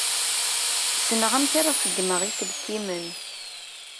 Ssneɣ amek ara ṣeggmeɣ iselkimen.